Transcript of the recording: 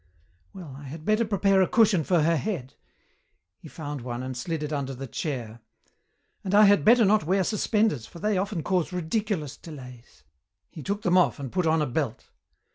"Well, I had better prepare a cushion for her head." He found one and slid it under the chair. "And I had better not wear suspenders, for they often cause ridiculous delays." He took them off and put on a belt.